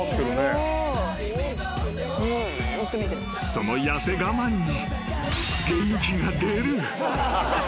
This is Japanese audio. ［その痩せ我慢に］